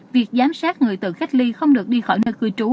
việc giám sát người tự cách ly không được đi khỏi nơi cư trú